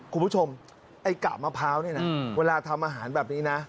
คุณผู้ชมไอ้กะมะพร้าวนี่นะเวลาทำอาหารแบบนี้นะ